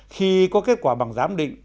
khi có kết quả bằng giám định